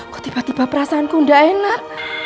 kok tiba tiba perasaanku tidak enak